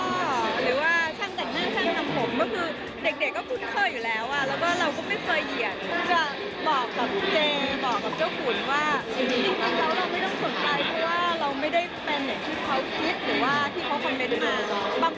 ไม่ได้รู้สึกสำหรับพวกเราก็เลยทิ้งไปเอง